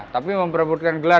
tapi memperebutkan gelar